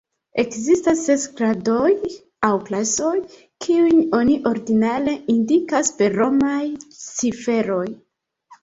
Ekzistas ses gradoj, aŭ klasoj, kiujn oni ordinare indikas per romaj ciferoj.